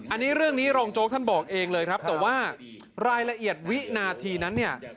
อันนี้เรื่องนี้รองโจ๊กท่านบอกเองเลยครับแต่ว่ารายละเอียดวินาทีนั้นเนี่ย